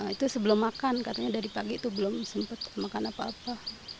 itu sebelum makan katanya dari pagi itu belum sempat makan apa apa